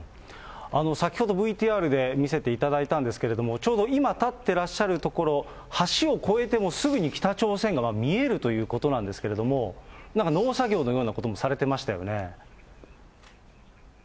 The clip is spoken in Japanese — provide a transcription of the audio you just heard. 先ほどＶＴＲで見せていただいたんですけれども、ちょうど今、立っていらっしゃるところ、橋を越えて、もうすぐに北朝鮮が見えるということなんですけれども、なんか農作業のようなこともされてましたよね。